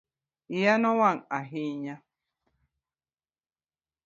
iye nowang' ahinya